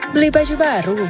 beli baju baru